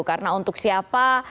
karena untuk siapa